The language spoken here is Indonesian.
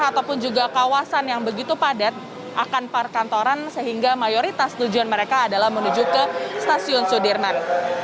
ataupun juga kawasan yang begitu padat akan parkantoran sehingga mayoritas tujuan mereka adalah menuju ke stasiun sudirman